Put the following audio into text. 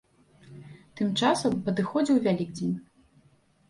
Тым часам падыходзіў вялікдзень.